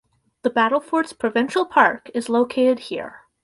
The Battlefords Provincial Park is located here.